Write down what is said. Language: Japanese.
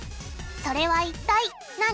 それは一体何？